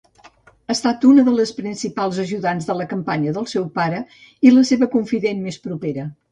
Ha estat una de les principals ajudants de campanya del seu pare i la seva confident més propera.